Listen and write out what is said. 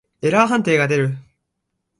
エラー判定が出る。